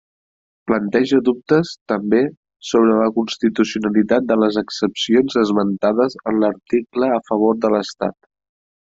Planteja dubtes, també, sobre la constitucionalitat de les excepcions esmentades en l'article a favor de l'Estat.